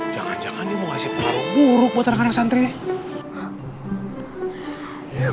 jangan jangan ini mau ngasih pengaruh buruk buat rekan rekan santri ini